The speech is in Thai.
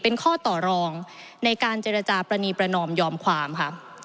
เป็นข้อต่อรองในการเจรจาปรณีประนอมยอมความค่ะ